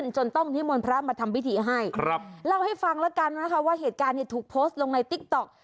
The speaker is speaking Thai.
จนต้องนิมนต์พระมาทำพิธีให้ครับเล่าให้ฟังแล้วกันนะคะว่าเหตุการณ์เนี่ยถูกโพสต์ลงในติ๊กต๊อก